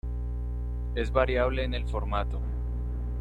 Es variable en el formato.